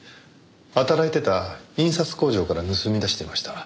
働いてた印刷工場から盗み出していました。